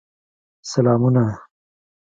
سلامونه.